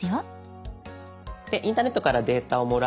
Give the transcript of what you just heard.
インターネットからデータをもらい